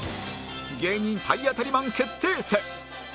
芸人体当たりマン決定戦！